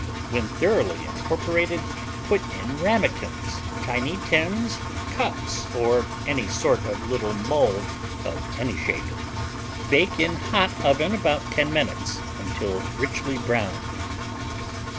When thoroughly incorporated, put in ramekins, tiny tins, cups, or any sort of little mold of any shape. Bake in hot oven about 10 minutes, until richly browned.